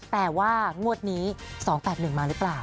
แต่ว่างวดนี้๒๘๑มาหรือเปล่า